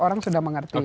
orang sudah mengerti